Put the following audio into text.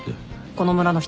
この村の人？